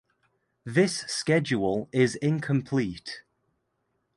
This schedule is incomplete.